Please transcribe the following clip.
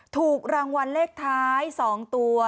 ถูกรางวัลเลขท้าย๒ตัว